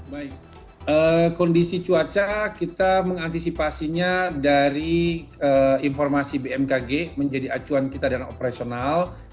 baik kondisi cuaca kita mengantisipasinya dari informasi bmkg menjadi acuan kita dana operasional